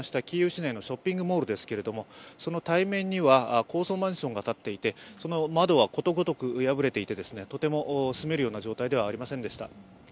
キーウ市内のショッピングモールですが、その対面には高層マンションが建っていて、窓はことごとく破れていてとても住めるような状態ではありませんでした。